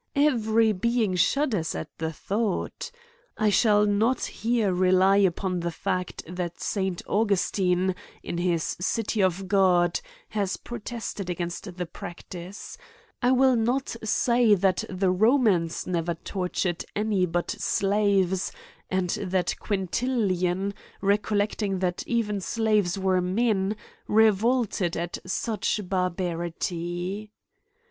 Every being shudders at the thought. I shall not here rely upon the fact that St. Augustine, in his City of God, has protested against the practice. I will not say that the Romans never tortured any but slaves ; and, that Quintilian, recollecting that even slaves were men, revolted at such barbarity.